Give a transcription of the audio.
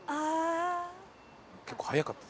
結構早かった。